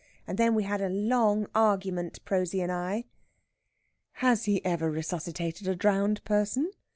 And then we had a long argument, Prosy and I." "Has he ever resuscitated a drowned person?"